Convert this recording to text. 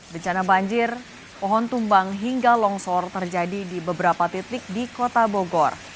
bencana banjir pohon tumbang hingga longsor terjadi di beberapa titik di kota bogor